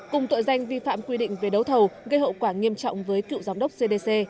cùng tội danh vi phạm quy định về đấu thầu gây hậu quả nghiêm trọng với cựu giám đốc cdc